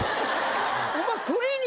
お前。